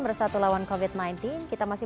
bersatu lawan covid sembilan belas kita masih